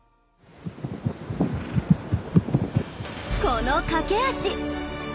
この駆け足！